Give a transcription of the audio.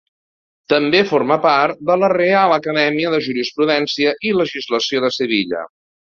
També forma part de la Reial Acadèmia de Jurisprudència i Legislació de Sevilla.